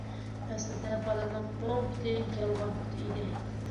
ئەسلىدە بالىنىڭ ئوڭ پۇتى يالغان پۇت ئىدى.